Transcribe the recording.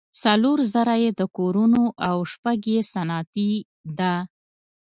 څلور زره یې د کورونو او شپږ یې صنعتي ده.